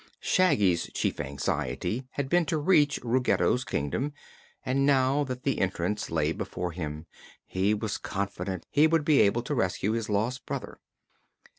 Shaggy's chief anxiety had been to reach Ruggedo's Kingdom and now that the entrance lay before him he was confident he would be able to rescue his lost brother.